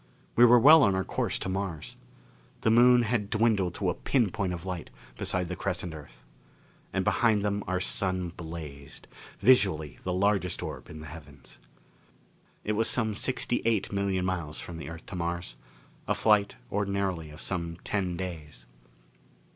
We were well on our course to Mars. The Moon had dwindled to a pin point of light beside the crescent Earth. And behind them our Sun blazed, visually the largest orb in the heavens. It was some sixty eight million miles from the Earth to Mars. A flight, ordinarily, of some ten days.